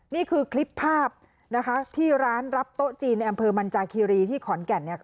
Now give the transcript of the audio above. นี่คือคลิปภาพนะคะที่ร้านรับโต๊ะจีนในอำเภอมันจาคีรีที่ขอนแก่นเนี่ย